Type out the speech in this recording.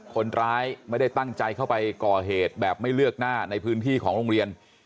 คนร้ายไม่ได้ตั้งใจเข้าไปก่อเหตุแบบไม่เลือกหน้าในพื้นที่ของโรงเรียน